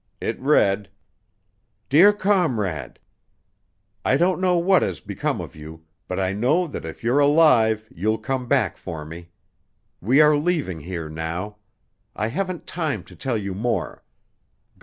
It read: "DEAR COMRADE: I don't know what has become of you, but I know that if you're alive you'll come back for me. We are leaving here now. I haven't time to tell you more.